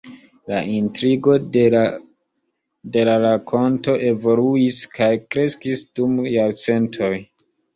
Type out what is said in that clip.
La intrigo de la rakonto evoluis kaj kreskis dum jarcentoj.